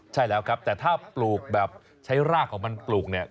ใช่แล้วครับแต่ถ้าปลูกแบบใช้รากของมันปลูกเนี่ย